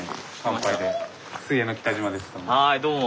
はいどうも。